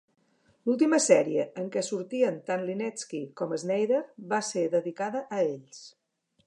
L'última sèrie en què sortien tant Linetsky com Schneider va ser dedicada a ells.